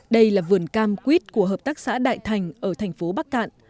đây là vườn cam quýt của hợp tác xã đại thành ở thành phố bắc cạn